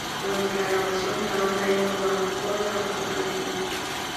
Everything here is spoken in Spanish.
Durante la grabación, la banda iba a jugar fútbol para pasar el tiempo.